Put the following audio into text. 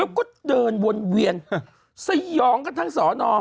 แล้วก็เดินวนเวียนสยองกันทั้งสอนอ